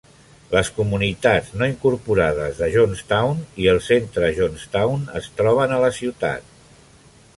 Les comunitats no incorporades de Johnstown i el centre Johnstown es troben a la ciutat.